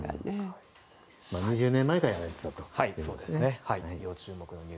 ２０年前からやられていたということですね。